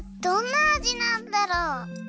どんなあじなんだろう？